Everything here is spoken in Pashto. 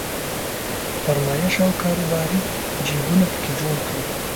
فرمایشي او کاروباري جيبونه په کې جوړ کړي.